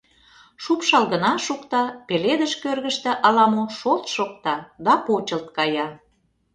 Шупшал гына шукта, пеледыш кӧргыштӧ ала мо «шолт» шокта да почылт кая.